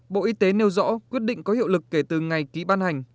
bộ y tế nêu rõ quyết định có hiệu lực kể từ ngày ký ban hành